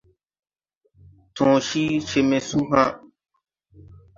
Tõõ cii cee me su ha̧a̧.